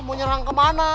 mau nyerang kemana